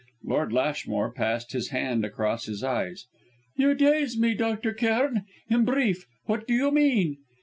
Lord Lashmore passed his hand across his eyes. "You daze me, Dr. Cairn. In brief, what do you mean?"